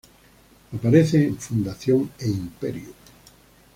Aparece en Fundación e Imperio.